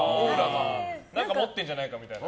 何か持ってるんじゃないかみたいな。